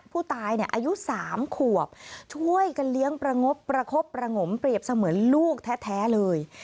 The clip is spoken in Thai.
ผู้ตายอายุ๓ขวบช่วยกันเลี้ยงประงบประคบประงมเปรียบเสมือนลูกแท้เลย